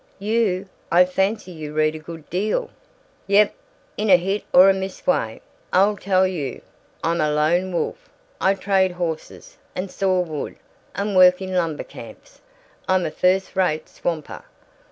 "You I fancy you read a good deal." "Yep. In a hit or a miss way. I'll tell you: I'm a lone wolf. I trade horses, and saw wood, and work in lumber camps I'm a first rate swamper.